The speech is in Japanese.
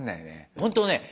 本当ね